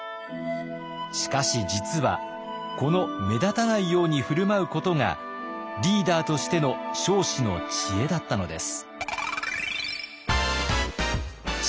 しかし実はこの目立たないように振る舞うことがリーダーとしての彰子の知恵だったのです。